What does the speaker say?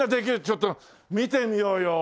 ちょっと見てみようよ。